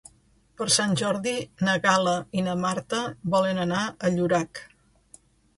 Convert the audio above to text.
Per Sant Jordi na Gal·la i na Marta volen anar a Llorac.